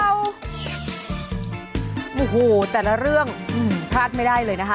โอ้โหแต่ละเรื่องพลาดไม่ได้เลยนะคะ